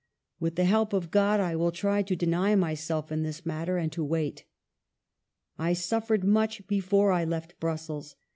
With the help of God, I will try to deny myself in this matter, and to wait. " I suffered much before I left Brussels.